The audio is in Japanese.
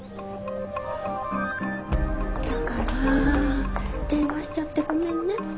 だから電話しちゃってごめんねって。